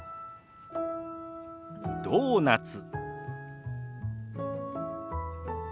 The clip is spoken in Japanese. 「ドーナツ」。